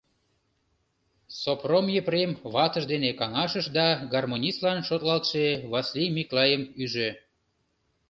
Сопром Епрем ватыж дене каҥашыш да гармонистлан шотлалтше Васлий Миклайым ӱжӧ.